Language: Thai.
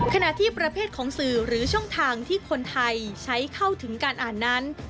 ขณะที่ประเภทของสื่อหรือช่องทางที่คนไทยใช้เข้าถึงการอ่านนั้น